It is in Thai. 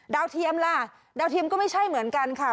เทียมล่ะดาวเทียมก็ไม่ใช่เหมือนกันค่ะ